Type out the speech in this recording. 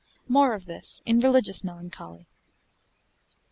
More of this in Religious Melancholy.